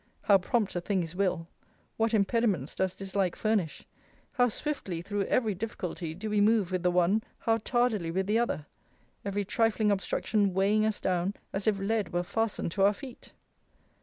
How prompt a thing is will! What impediments does dislike furnish! How swiftly, through every difficulty, do we move with the one! how tardily with the other! every trifling obstruction weighing us down, as if lead were fastened to our feet!